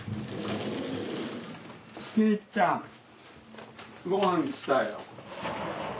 圭ちゃんごはん来たよ。